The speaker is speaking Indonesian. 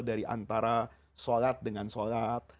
dari antara sholat dengan sholat